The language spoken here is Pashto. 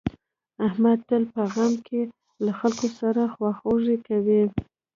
احمد تل په غم کې له خلکو سره خواخوږي کوي.